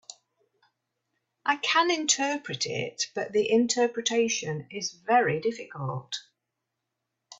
I can interpret it, but the interpretation is very difficult.